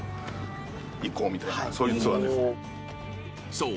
［そう。